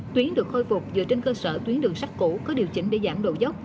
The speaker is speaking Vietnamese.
tuyến được khôi phục dựa trên cơ sở tuyến đường sắt cũ có điều chỉnh để giảm độ dốc